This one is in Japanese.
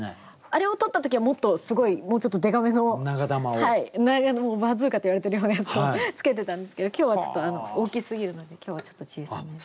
あれを撮った時はもっとすごいもうちょっとでかめのバズーカって言われてるようなやつを付けてたんですけど今日はちょっと大きすぎるので今日はちょっと小さめに。